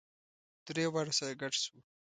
درې واړه سره ګډ شوو.